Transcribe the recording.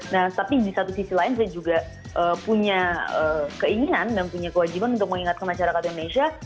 nah tapi di satu sisi lain saya juga punya keinginan dan punya kewajiban untuk mengingatkan masyarakat indonesia